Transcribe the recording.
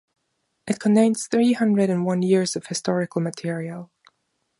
It contains three hundred and one years of historical material.